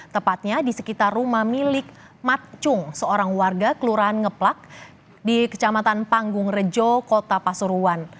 tepatnya di sekitar rumah milik matchung seorang warga kelurahan ngeplak di kecamatan panggung rejo kota pasuruan